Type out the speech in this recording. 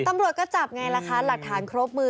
ตำรวจก็จับไงล่ะคะหลักฐานครบมือ